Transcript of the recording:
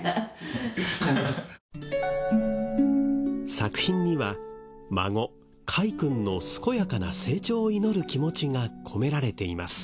作品には孫櫂くんの健やかな成長を祈る気持ちが込められています。